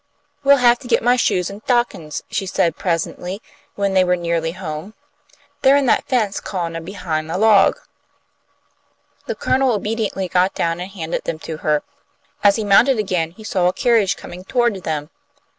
"We'll have to get my shoes an' 'tockin's," she said, presently, when they were nearly home. "They're in that fence cawnah behin' a log." The Colonel obediently got down and handed them to her. As he mounted again he saw a carriage coming toward them.